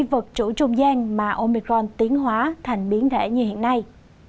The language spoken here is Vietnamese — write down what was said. vật chủ trung gian mà omicron tiến hóa thành biến đẻ như hiện nay